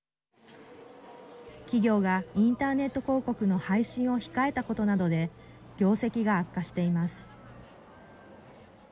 企業がインターネット広告の配信を控えたことなどで業績が悪化しています。